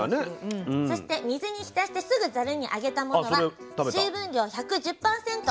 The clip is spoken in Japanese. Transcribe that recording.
そして水に浸してすぐざるにあげたものは水分量１１０％